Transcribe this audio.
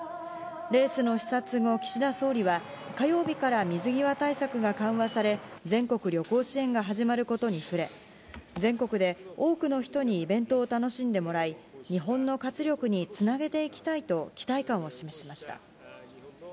レースの視察後、岸田総理は、火曜日から水際対策が緩和され、全国旅行支援が始まることに触れ、全国で多くの人にイベントを楽しんでもらい、日本の活力につなげていきたいと、期待感を示しました。